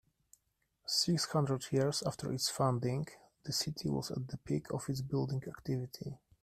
Six hundred years after its founding, the city was at the peak of its building activity.